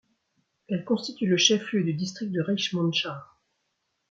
Elle constitue le chef-lieu du district de Richmondshire.